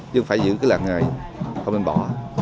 nhưng phải giữ cái làng nghề không nên bỏ